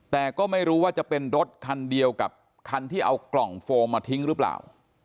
แต่ก็ไม่รู้ว่าจะเป็นรถคันเดียวกับคันที่เอากล่องโฟมมาทิ้งหรือเปล่า